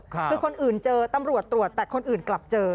คือคนอื่นเจอตำรวจตรวจแต่คนอื่นกลับเจอ